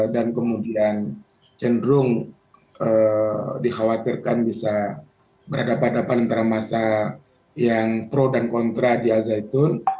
dan kemudian cenderung dikhawatirkan bisa berada pada depan antara masa yang pro dan kontra di azaitun